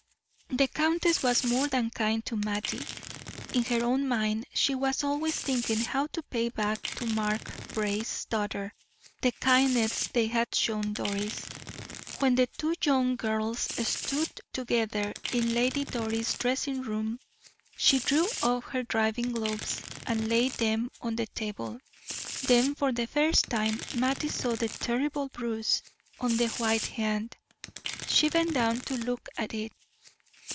The countess was more than kind to Mattie; in her own mind she was always thinking how to pay back to Mark Brace's daughter the kindness they had shown Doris. When the two young girls stood together in Lady Doris' dressing room, she drew off her driving gloves and laid them on the table; then for the first time Mattie saw the terrible bruise on the white hand; she bent down to look at it.